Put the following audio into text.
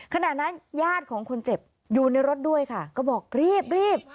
ขณะนั้นญาติของคนเจ็บอยู่ในรถด้วยค่ะก็บอกรีบรีบ